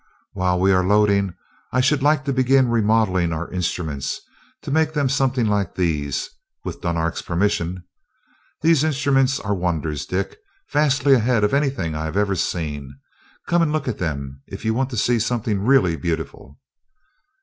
While we are loading, I should like to begin remodeling our instruments; to make them something like these; with Dunark's permission. These instruments are wonders, Dick vastly ahead of anything I have ever seen. Come and look at them, if you want to see something really beautiful."